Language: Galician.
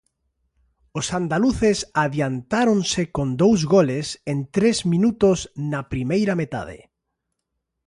Os andaluces adiantáronse con dous goles en tres minutos na primeira metade.